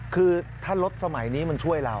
คือถ้ารถสมัยนี้มันช่วยเรา